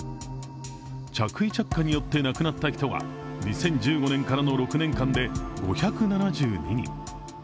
着衣着火によって亡くなった人は２０１５年からの６年間で５７２人。